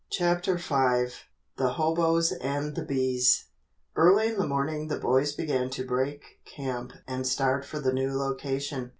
CHAPTER V THE HOBOES AND THE BEES Early in the morning the boys began to break camp and start for the new location.